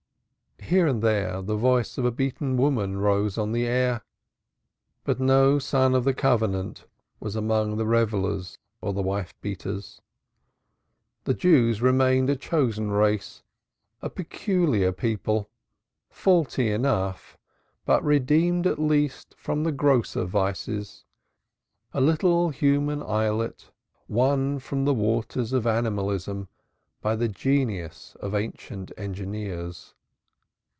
Here and there the voice of a beaten woman rose on the air. But no Son of the Covenant was among the revellers or the wife beaters; the Jews remained a chosen race, a peculiar people, faulty enough, but redeemed at least from the grosser vices, a little human islet won from the waters of animalism by the genius of ancient engineers.